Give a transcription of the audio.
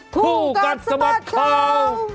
ภูการสมัครเคล้า